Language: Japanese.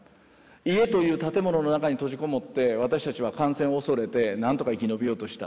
家という建物の中に閉じこもって私たちは感染を恐れて何とか生き延びようとした。